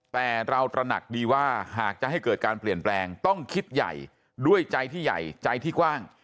แต่เราตระหนักดีว่าหากจะให้เกิดการเปลี่ยนแปลงต้องคิดใหญ่ด้วยใจที่ใหญ่ใจที่กว้าง